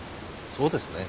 そうですね。